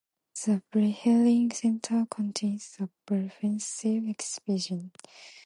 The Breheim Center contains a comprehensive exhibition.